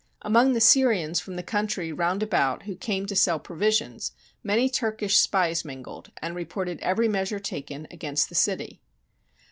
Among the Syrians from the country round about who came to sell pro visions many Turkish spies mingled, and reported every measure taken against the city.